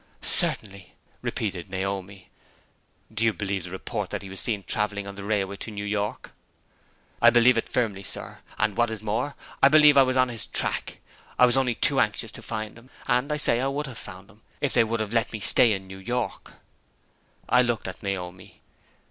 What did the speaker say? "Certainly!" repeated Naomi. "Do you believe the report that he was seen traveling on the railway to New York?" "I believe it firmly, sir; and, what is more, I believe I was on his track. I was only too anxious to find him; and I say I could have found him if they would have let me stay in New York." I looked at Naomi.